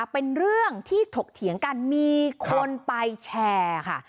เป็นเรื่องที่ถกเถียงกันมีคนไปแชร์ค่ะ